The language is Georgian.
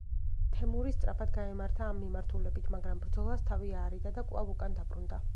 თემური სწრაფად გაემართა ამ მიმართულებით, მაგრამ ბრძოლას თავი აარიდა და კვლავ უკან დაბრუნდა.